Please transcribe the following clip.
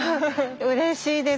うれしいです。